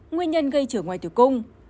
nguyên nhân gây chữa ngoài từ cung